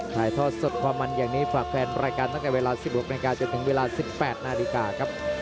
ถ่ายทอดสดความมันอย่างนี้ฝากแฟนรายการตั้งแต่เวลา๑๖นาทีจนถึงเวลา๑๘นาฬิกาครับ